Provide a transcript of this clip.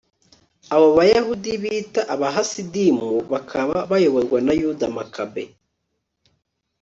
abo bayahudi bita abahasidimu, bakaba bayoborwa na yuda makabe